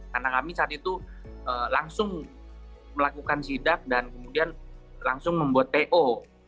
karena kami saat itu langsung melakukan sidak dan kemudian langsung membuat po